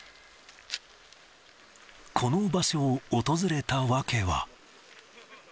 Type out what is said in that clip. この場所を訪れた訳は。